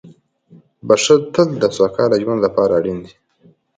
• بښل تل د سوکاله ژوند لپاره اړین دي.